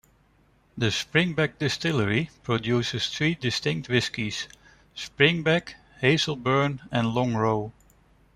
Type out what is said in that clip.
The Springbank distillery produces three distinct whiskies; Springbank, Hazelburn, and Longrow.